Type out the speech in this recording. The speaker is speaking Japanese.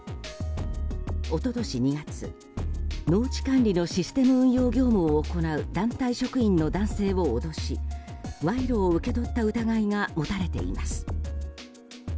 おととし２月農地管理のシステム運用業務を行う団体職員の男性を脅し賄賂を受け取った疑いが持たれています。